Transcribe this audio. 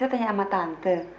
saya tanya sama tante